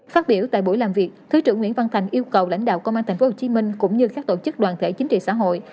phát biểu tại buổi làm việc thứ trưởng nguyễn văn thành yêu cầu lãnh đạo công an tp hcm cũng như các tổ chức đoàn thể chính trị xã hội